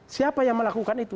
siapa yang melakukan itu